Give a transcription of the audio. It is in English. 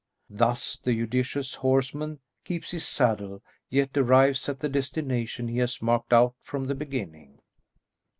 Thus the judicious horseman keeps his saddle, yet arrives at the destination he has marked out from the beginning.